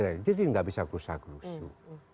jadi nggak bisa krusa krusu